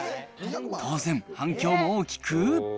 当然、反響も大きく。